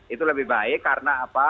itu lebih baik karena apa